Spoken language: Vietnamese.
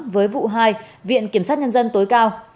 với vụ hai viện kiểm sát nhân dân tối cao